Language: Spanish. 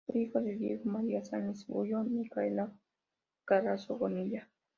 Fue hijo de Diego María Sáenz y Ulloa y Micaela Carazo Bonilla.